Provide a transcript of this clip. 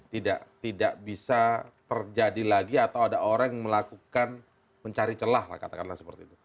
tidak bisa terjadi lagi atau ada orang yang melakukan mencari celah katakanlah seperti itu